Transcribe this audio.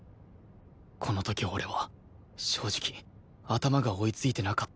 この時俺は正直頭が追いついてなかった